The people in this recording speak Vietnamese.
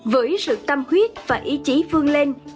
với sự tâm huyết và ý chí phương lên